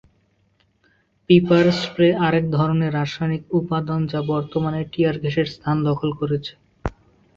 Pepper spray আরেক ধরনের রাসায়নিক উপাদান যা বর্তমানে টিয়ার গ্যাসের স্থান দখল করছে।